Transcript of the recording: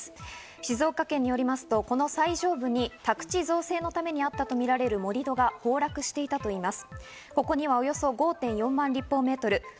静岡県によりますと、この最上部に宅地造成のためにあったとみられる盛り土が崩落していたといいます。